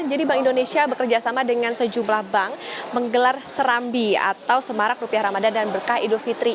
jadi bank indonesia bekerjasama dengan sejumlah bank menggelar serambi atau semarak rupiah ramadhan dan berkah idul fitri